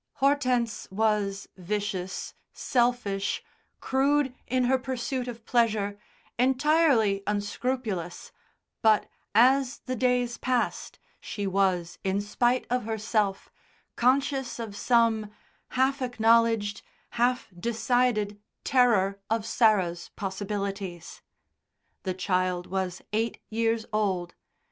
Hortense was vicious, selfish, crude in her pursuit of pleasure, entirely unscrupulous, but, as the days passed, she was, in spite of herself, conscious of some half acknowledged, half decided terror of Sarah's possibilities. The child was eight years old.